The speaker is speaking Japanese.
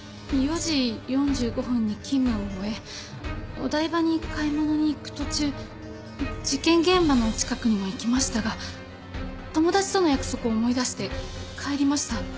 ４時４５分に勤務を終えお台場に買い物に行く途中事件現場の近くには行きましたが友達との約束を思い出して帰りました。